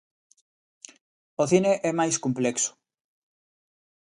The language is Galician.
O cine é máis complexo.